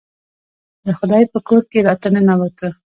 د خدای په کور کې راته ننوتو.